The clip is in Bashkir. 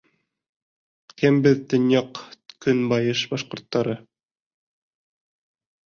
Кем беҙ төньяҡ-көнбайыш башҡорттары?